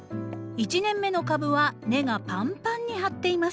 １年目の株は根がパンパンに張っています。